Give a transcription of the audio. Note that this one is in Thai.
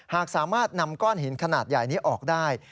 หากสามารถนำก้อนหินขนาดใหญ่นี้ออกได้